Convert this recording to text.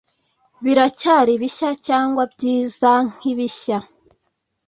biracyari bihya, cyangwa byiza nkibihya